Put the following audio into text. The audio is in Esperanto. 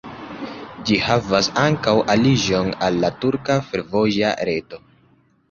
Ĝi havas ankaŭ aliĝon al la turka fervoja reto.